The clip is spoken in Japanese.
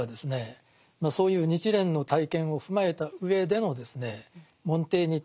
そういう日蓮の体験を踏まえた上でのですね